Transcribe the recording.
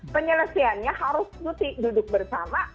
penyelesaiannya harus duduk bersama